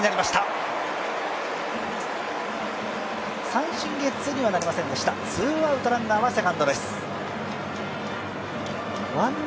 三振ゲッツーにはなりませんでした、ツーアウト、ランナーはセカンドです。